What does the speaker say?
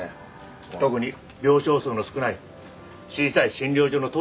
特に病床数の少ない小さい診療所の倒産が増えてる。